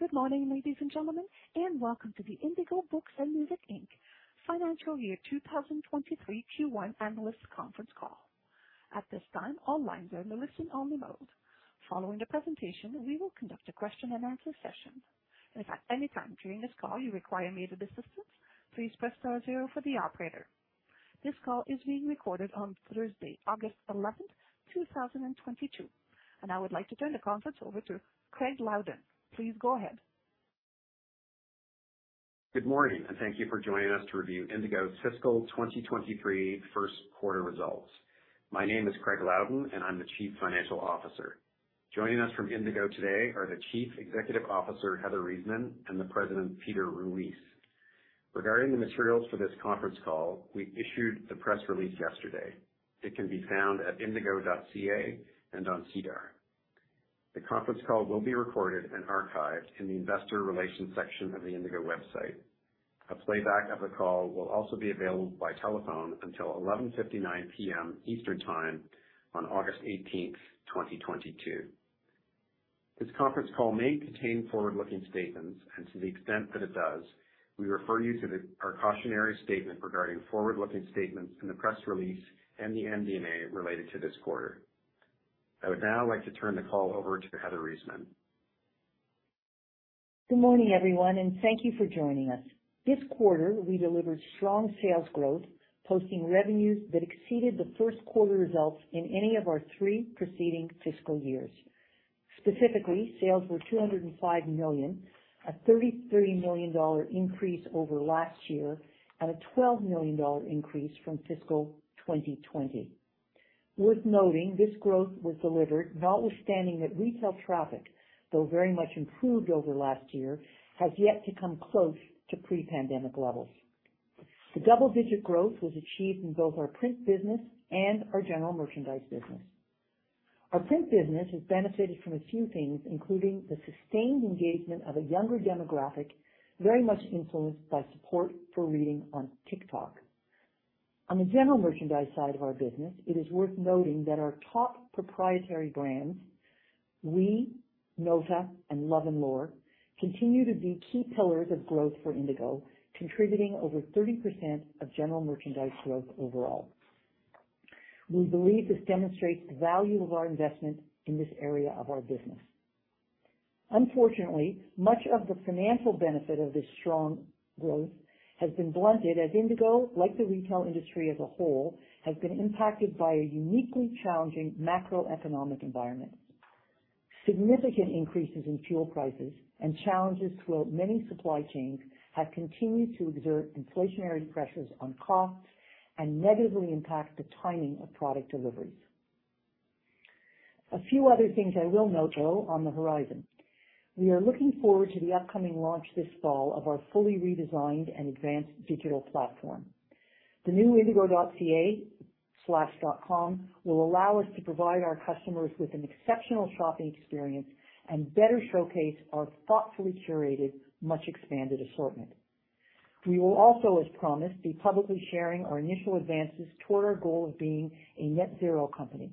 Good morning, ladies and gentlemen, and welcome to the Indigo Books & Music Inc. Financial Year 2023 Q1 Analyst Conference Call. At this time, all lines are in a listen-only mode. Following the presentation, we will conduct a question-and-answer session. If at any time during this call you require immediate assistance, please press star zero for the operator. This call is being recorded on Thursday, August eleventh, 2022. I would like to turn the conference over to Craig Loudon. Please go ahead. Good morning, and thank you for joining us to review Indigo's fiscal 2023 Q1 results. My name is Craig Loudon and I'm the Chief Financial Officer. Joining us from Indigo today are the Chief Executive Officer, Heather Reisman, and the President, Peter Ruis. Regarding the materials for this conference call, we issued the press release yesterday. It can be found at indigo.ca and on SEDAR. The conference call will be recorded and archived in the investor relations section of the Indigo website. A playback of the call will also be available by telephone until 11:59 P.M. Eastern Time on August eighteenth, 2022. This conference call may contain forward-looking statements, and to the extent that it does, we refer you to our cautionary statement regarding forward-looking statements in the press release and the MD&A related to this quarter. I would now like to turn the call over to Heather Reisman. Good morning, everyone, and thank you for joining us. This quarter, we delivered strong sales growth, posting revenues that exceeded the Q1 results in any of our three preceding fiscal years. Specifically, sales were 205 million, a 33 million dollar increase over last year and a 12 million dollar increase from fiscal 2020. Worth noting, this growth was delivered notwithstanding that retail traffic, though very much improved over last year, has yet to come close to pre-pandemic levels. The double-digit growth was achieved in both our print business and our general merchandise business. Our print business has benefited from a few things, including the sustained engagement of a younger demographic, very much influenced by support for reading on TikTok. On the general merchandise side of our business, it is worth noting that our top proprietary brands, OUI, NÓTA and Love & Lore, continue to be key pillars of growth for Indigo, contributing over 30% of general merchandise growth overall. We believe this demonstrates the value of our investment in this area of our business. Unfortunately, much of the financial benefit of this strong growth has been blunted as Indigo, like the retail industry as a whole, has been impacted by a uniquely challenging macroeconomic environment. Significant increases in fuel prices and challenges throughout many supply chains have continued to exert inflationary pressures on costs and negatively impact the timing of product deliveries. A few other things I will note, though, on the horizon. We are looking forward to the upcoming launch this fall of our fully redesigned and advanced digital platform. The new indigo.ca will allow us to provide our customers with an exceptional shopping experience and better showcase our thoughtfully curated, much expanded assortment. We will also, as promised, be publicly sharing our initial advances toward our goal of being a net zero company.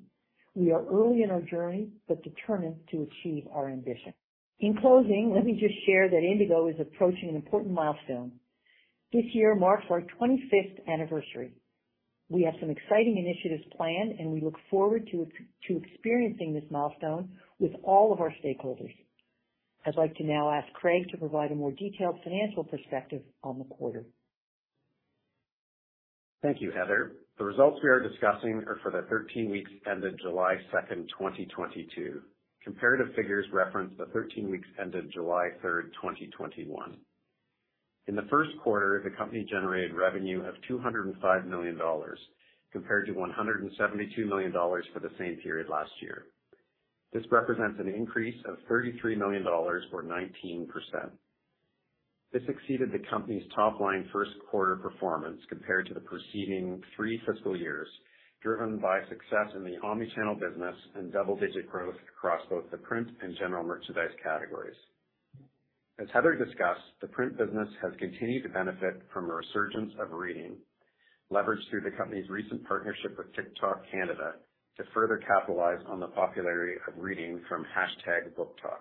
We are early in our journey, but determined to achieve our ambition. In closing, let me just share that Indigo is approaching an important milestone. This year marks our 25th anniversary. We have some exciting initiatives planned, and we look forward to experiencing this milestone with all of our stakeholders. I'd like to now ask Craig to provide a more detailed financial perspective on the quarter. Thank you, Heather. The results we are discussing are for the 13 weeks ended July 2, 2022. Comparative figures reference the 13 weeks ended July 3, 2021. In the Q1, the company generated revenue of 205 million dollars compared to 172 million dollars for the same period last year. This represents an increase of 33 million dollars, or 19%. This exceeded the company's top line Q1 performance compared to the preceding three fiscal years, driven by success in the omnichannel business and double-digit growth across both the print and general merchandise categories. As Heather discussed, the print business has continued to benefit from a resurgence of reading leveraged through the company's recent partnership with TikTok Canada to further capitalize on the popularity of reading from hashtag BookTok.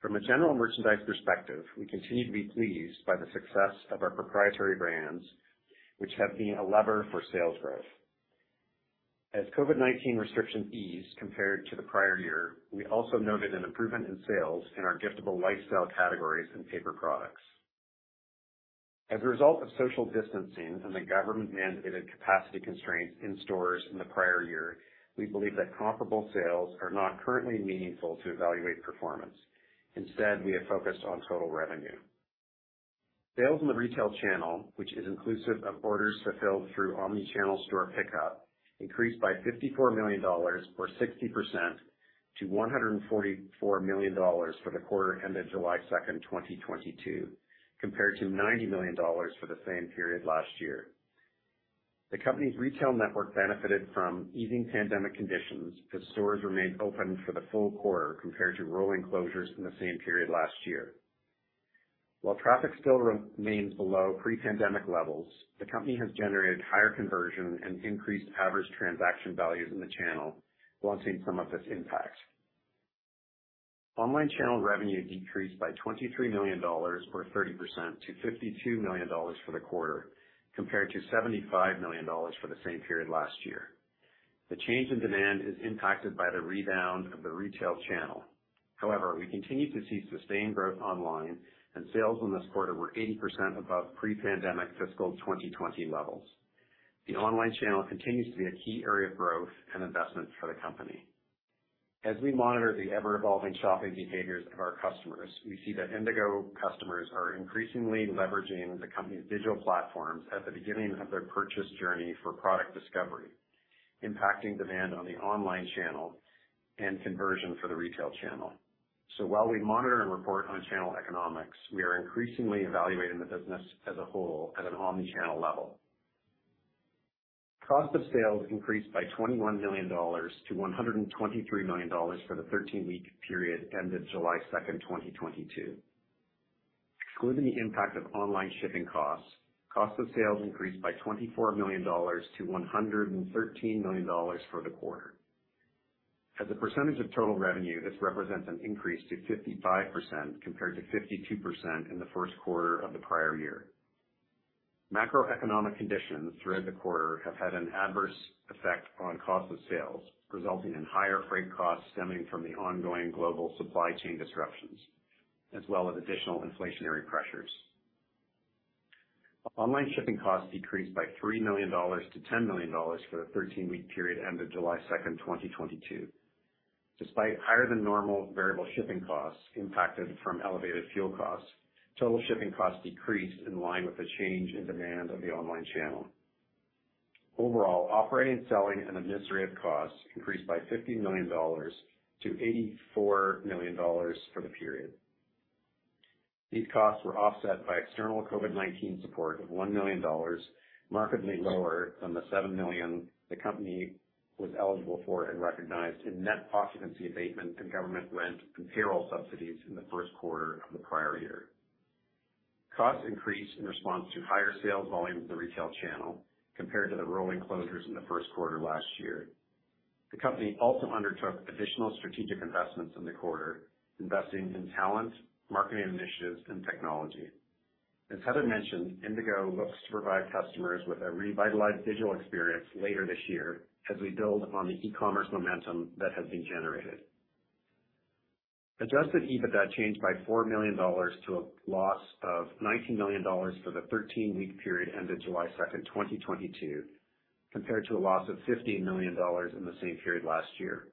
From a general merchandise perspective, we continue to be pleased by the success of our proprietary brands, which have been a lever for sales growth. As COVID-19 restrictions ease compared to the prior year, we also noted an improvement in sales in our giftable lifestyle categories and paper products. As a result of social distancing and the government-mandated capacity constraints in stores in the prior year, we believe that comparable sales are not currently meaningful to evaluate performance. Instead, we have focused on total revenue. Sales in the retail channel, which is inclusive of orders fulfilled through omnichannel store pickup, increased by 54 million dollars or 60% to 144 million dollars for the quarter ended July 2, 2022, compared to 90 million dollars for the same period last year. The company's retail network benefited from easing pandemic conditions as stores remained open for the full quarter compared to rolling closures in the same period last year. While traffic still remains below pre-pandemic levels, the company has generated higher conversion and increased average transaction values in the channel while seeing some of this impact. Online channel revenue decreased by 23 million dollars or 30% to 52 million dollars for the quarter, compared to 75 million dollars for the same period last year. The change in demand is impacted by the rebound of the retail channel. However, we continue to see sustained growth online and sales in this quarter were 80% above pre-pandemic fiscal 2020 levels. The online channel continues to be a key area of growth and investment for the company. As we monitor the ever-evolving shopping behaviors of our customers, we see that Indigo customers are increasingly leveraging the company's digital platforms at the beginning of their purchase journey for product discovery, impacting demand on the online channel and conversion for the retail channel. While we monitor and report on channel economics, we are increasingly evaluating the business as a whole at an omnichannel level. Cost of sales increased by 21 million dollars to 123 million dollars for the 13-week period ended July 2, 2022. Excluding the impact of online shipping costs, cost of sales increased by 24 million dollars to 113 million dollars for the quarter. As a percentage of total revenue, this represents an increase to 55% compared to 52% in the Q1 of the prior year. Macroeconomic conditions throughout the quarter have had an adverse effect on cost of sales, resulting in higher freight costs stemming from the ongoing global supply chain disruptions, as well as additional inflationary pressures. Online shipping costs decreased by 3 million dollars to 10 million dollars for the 13-week period ended July 2, 2022. Despite higher than normal variable shipping costs impacted from elevated fuel costs, total shipping costs decreased in line with the change in demand of the online channel. Overall, operating, selling, and administrative costs increased by 50 million dollars to 84 million dollars for the period. These costs were offset by external COVID-19 support of 1 million dollars, markedly lower than the 7 million the company was eligible for and recognized in net occupancy abatement to government rent and payroll subsidies in the Q1 of the prior year. Costs increased in response to higher sales volume of the retail channel compared to the rolling closures in the Q1 last year. The company also undertook additional strategic investments in the quarter, investing in talent, marketing initiatives and technology. As Heather mentioned, Indigo looks to provide customers with a revitalized digital experience later this year as we build on the e-commerce momentum that has been generated. Adjusted EBITDA changed by 4 million dollars to a loss of 19 million dollars for the 13-week period ended July 2, 2022, compared to a loss of 15 million dollars in the same period last year.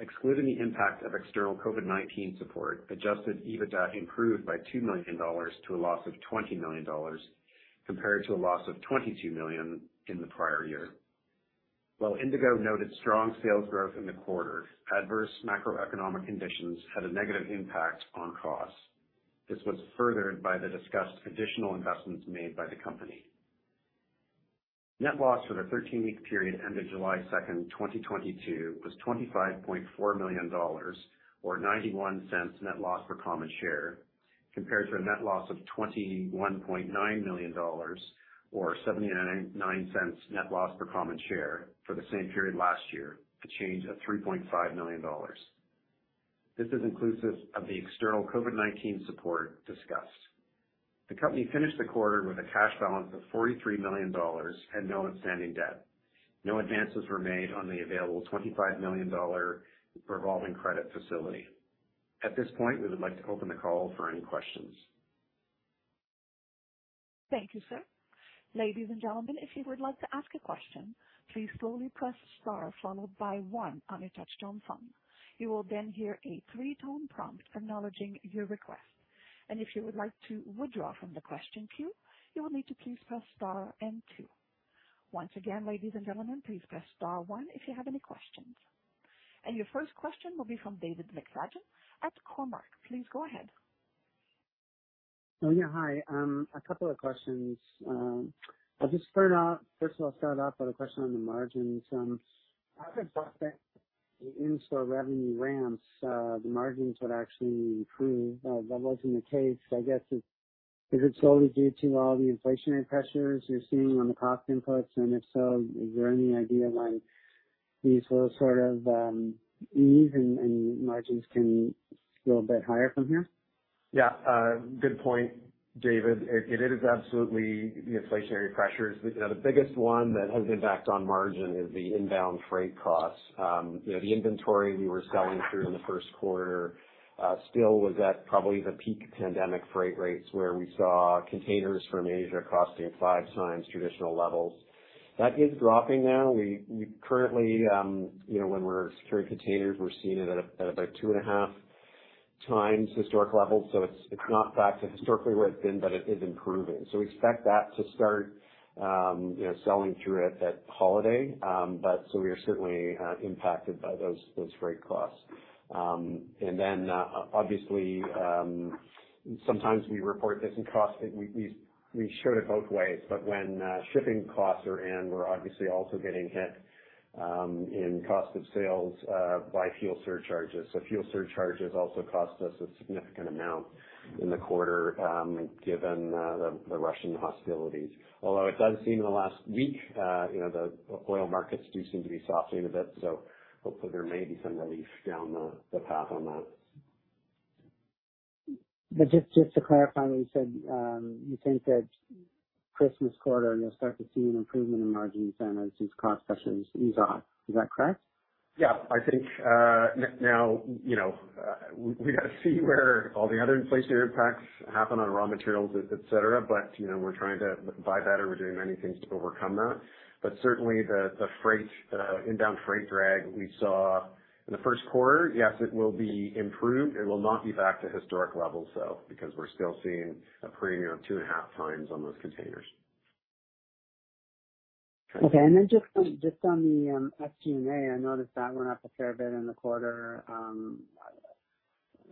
Excluding the impact of external COVID-19 support, adjusted EBITDA improved by 2 million dollars to a loss of 20 million dollars, compared to a loss of 22 million in the prior year. While Indigo noted strong sales growth in the quarter, adverse macroeconomic conditions had a negative impact on costs. This was furthered by the discussed additional investments made by the company. Net loss for the 13-week period ended July 2, 2022 was 25.4 million dollars or 0.91 net loss per common share, compared to a net loss of 21.9 million dollars or 0.79 net loss per common share for the same period last year, a change of 3.5 million dollars. This is inclusive of the external COVID-19 support discussed. The company finished the quarter with a cash balance of 43 million dollars and no outstanding debt. No advances were made on the available 25 million dollar revolving credit facility. At this point, we would like to open the call for any questions. Thank you, sir. Ladies and gentlemen, if you would like to ask a question, please slowly press star followed by one on your touchtone phone. You will then hear a three-tone prompt acknowledging your request. If you would like to withdraw from the question queue, you will need to please press star and two. Once again, ladies and gentlemen, please press star one if you have any questions. Your first question will be from David McFadgen at Cormark Securities. Please go ahead. Oh, yeah. Hi. A couple of questions. I'll just start off with a question on the margins. I've been although it does seem in the last week, you know, the oil markets do seem to be softening a bit, so hopefully there may be some relief down the path on that. Just to clarify what you said, you think that Christmas quarter you'll start to see an improvement in margin centers as cost pressures ease up. Is that correct? Yeah. I think now, you know, we gotta see where all the other inflationary impacts happen on raw materials, et cetera. You know, we're trying to buy better. OUI, we're doing many things to overcome that. Certainly the inbound freight drag we saw in the Q1, yes, it will be improved. It will not be back to historic levels, though, because we're still seeing a premium of 2.5 times on those containers. Okay. Just on the SG&A, I noticed that went up a fair bit in the quarter.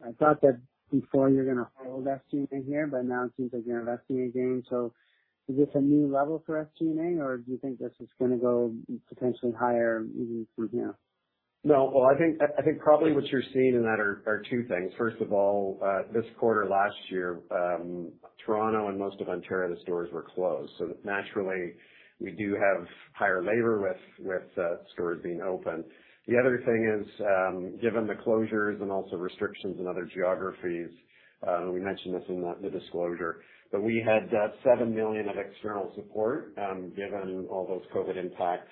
I thought that before you're gonna hold SG&A here, but now it seems like you have SG&A gains. Is this a new level for SG&A or do you think this is gonna go potentially higher even from here? No. Well, I think probably what you're seeing in that are two things. First of all, this quarter last year, Toronto and most of Ontario, the stores were closed. So naturally we do have higher labor with stores being open. The other thing is, given the closures and also restrictions in other geographies, we mentioned this in the disclosure, but we had 7 million of external support, given all those COVID impacts,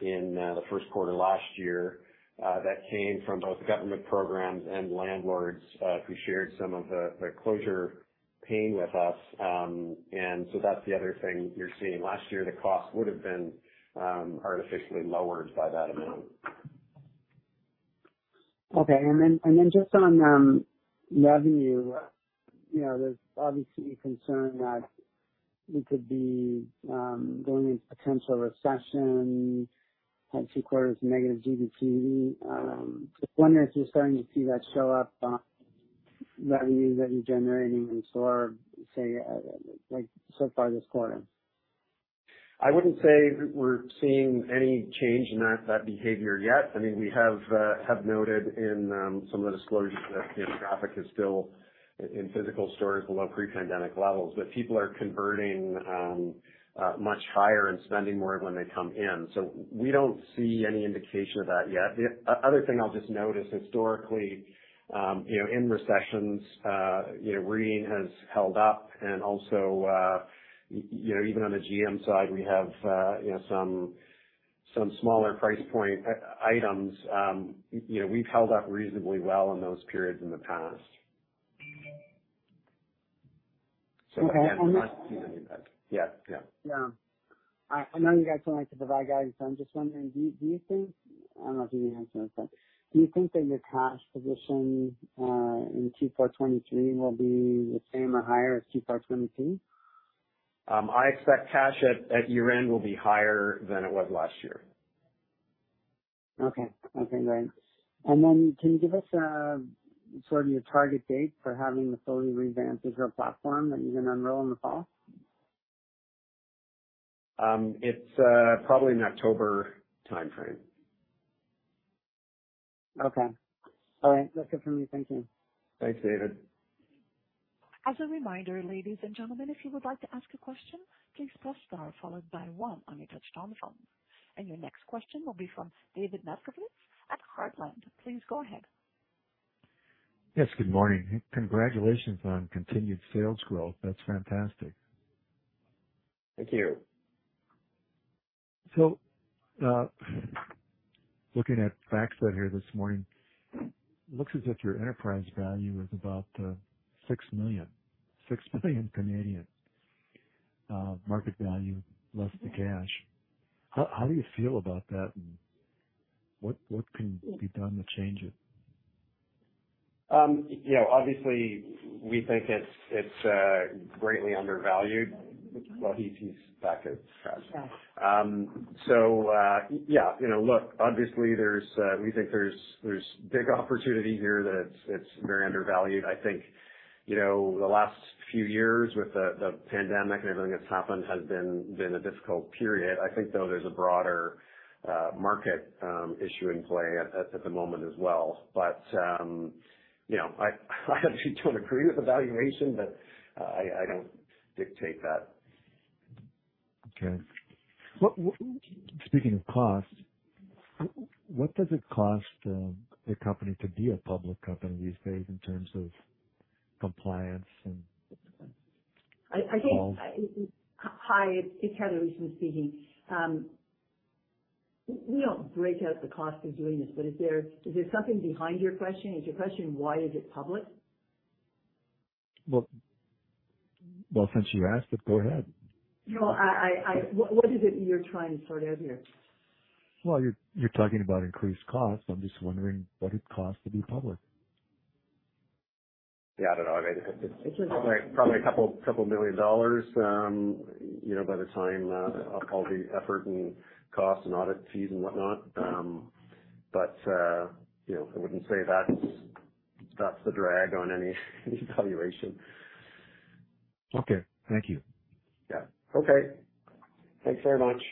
in the Q1 last year, that came from both government programs and landlords, who shared some of the closure pain with us. That's the other thing you're seeing. Last year, the costs would've been artificially lowered by that amount. Okay. Just on revenue, you know, there's obviously concern that we could be going into potential recession. We had two quarters of negative GDP. Just wondering if you're starting to see that show up on revenue that you're generating in store, say, like so far this quarter. I wouldn't say we're seeing any change in that behavior yet. I mean, we have noted in some of the disclosures that, you know, traffic is still in physical stores below pre-pandemic levels. People are converting much higher and spending more when they come in. We don't see any indication of that yet. The other thing I'll just note is historically, you know, in recessions, you know, reading has held up and also, you know, even on the GM side, we have you know, some smaller price point items. You know, we've held up reasonably well in those periods in the past. We have not seen any of that. Okay. Yeah. Yeah. I know you guys don't like to provide guidance, so I'm just wondering, I don't know if you can answer this one. Do you think that your cash position in 2023 will be the same or higher as 2022? I expect cash at year-end will be higher than it was last year. Okay, great. Can you give us sort of your target date for having the fully revamped digital platform that you're gonna unroll in the fall? It's probably an October timeframe. Okay. All right. That's good for me. Thank you. Thanks, David. As a reminder, ladies and gentlemen, if you would like to ask a question, please press star followed by one on your touchtone phone. Your next question will be from David Moscovitz at Heartland. Please go ahead. Yes, good morning. Congratulations on continued sales growth. That's fantastic. Thank you. Looking at the fact set here this morning, looks as if your enterprise value is about 6 million, market value less the cash. How do you feel about that, and what can be done to change it? You know, obviously we think it's greatly undervalued. Well, he's back at his desk. So, yeah, you know, look, obviously we think there's big opportunity here, that it's very undervalued. I think, you know, the last few years with the pandemic and everything that's happened has been a difficult period. I think though there's a broader market issue in play at the moment as well. You know, I actually don't agree with the valuation, but I don't dictate that. Okay. Speaking of costs, what does it cost a company to be a public company these days in terms of compliance and- I think. Hi, it's Heather Reisman speaking. We don't break out the cost of doing this, but is there something behind your question? Is your question why is it public? Well, well, since you asked it, go ahead. No. What is it you're trying to sort out here? Well, you're talking about increased costs. I'm just wondering what it costs to be public. Yeah, I don't know. I mean, it's probably 2 million dollars, you know, by the time all the effort and costs and audit fees and whatnot. You know, I wouldn't say that's the drag on any valuation. Okay. Thank you. Yeah. Okay. Thanks very much.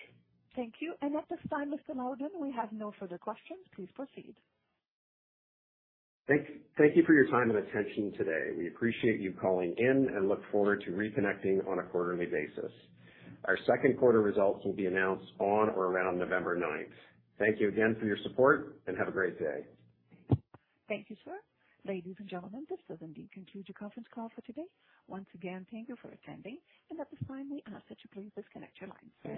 Thank you. At this time, Mr. Loudon, we have no further questions. Please proceed. Thank you for your time and attention today. We appreciate you calling in and look forward to reconnecting on a quarterly basis. Our Q2 results will be announced on or around November ninth. Thank you again for your support and have a great day. Thank you, sir. Ladies and gentlemen, this does indeed conclude your conference call for today. Once again, thank you for attending. At this time, we ask that you please disconnect your lines. Thank you.